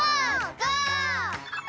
ゴー！